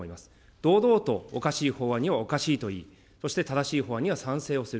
堂々とおかしい法案にはおかしいと言い、そして正しい法案には賛成をする。